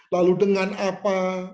lalu dengan apa